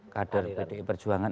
kader pedi perjuangan